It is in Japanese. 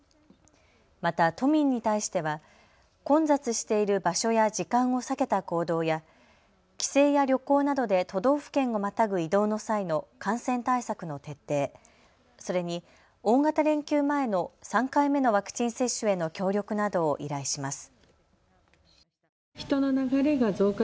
また都民に対しては混雑している場所や時間を避けた行動や帰省や旅行などで都道府県をまたぐ移動の際の感染対策の徹底、それに大型連休前の３回目のワクチン接種への協力などを依頼します。